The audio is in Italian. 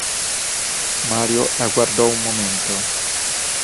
Mario la guardò un momento.